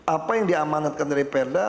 apa yang diamanatkan dari perda